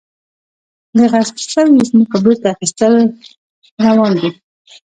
د غصب شویو ځمکو بیرته اخیستل روان دي؟